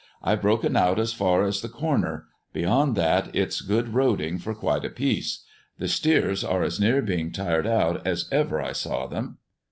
I've broken out as far as the Corner; beyond that it's good roading for quite a piece. The steers are as near being tired out as ever I saw them.